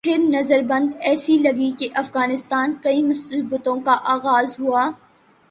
پھر نظر بد ایسی لگی کہ افغانستان کی مصیبتوں کا آغاز ہوا۔